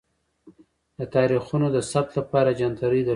د تاریخونو د ثبت لپاره جنتري درلوده.